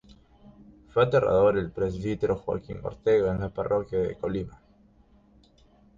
Fue enterrado por el presbítero Joaquín Ortega en la Parroquia de Colima.